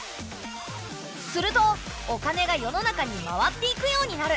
するとお金が世の中に回っていくようになる。